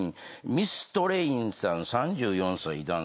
ミストレインさん３４歳男性。